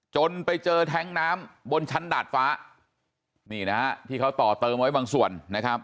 จนไปเจอแท้งน้ำบนชั้นดาดฟ้านี่นะฮะที่เขาต่อเติมไว้บางส่วนนะครับ